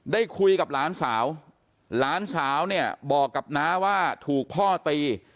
ได้คุยกับหลานสาวหลานสาวเนี่ยบอกกับน้าว่าถูกพ่อตี